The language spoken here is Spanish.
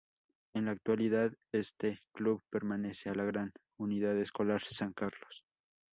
En la actualidad este club pertenece a la Gran Unidad Escolar San Carlos.